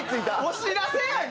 お知らせやん！